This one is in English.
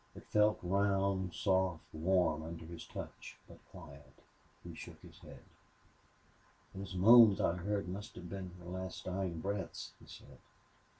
It felt round, soft, warm under his touch, but quiet. He shook his head. "Those moans I heard must have been her last dying breaths," he said.